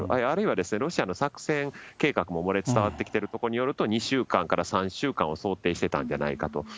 あるいは、ロシアの作戦計画も漏れ伝わってきてるところを考えると、２週間から３週間を想定してたんじゃないかと。